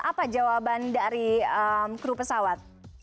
apa jawaban dari kru pesawat